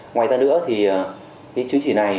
ngoài ra nữa thì chứng chỉ này